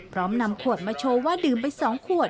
นำขวดมาโชว์ว่าดื่มไป๒ขวด